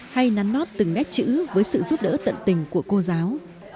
hay nắn nót từng nét chữ với sự giúp đỡ tận tình của cô giáo